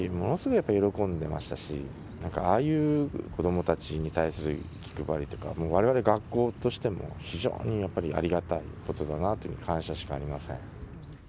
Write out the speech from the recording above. やっぱり喜んでましたし、なんかああいう子どもたちに対する気配りとか、われわれ学校としても、非常にやっぱりありがたいことだなと、感謝しかありません。